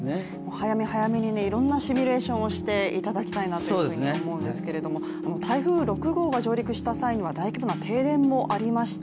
早め早めにいろんなシミュレーションをしていただきたいと思うんですが台風６号が上陸した際には大規模な停電もありました。